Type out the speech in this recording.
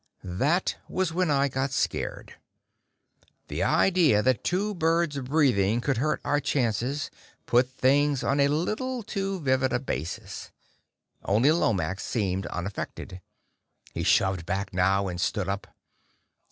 That was when I got scared. The idea that two birds breathing could hurt our chances put things on a little too vivid a basis. Only Lomax seemed unaffected. He shoved back now, and stood up.